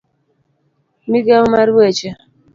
Migawo mar weche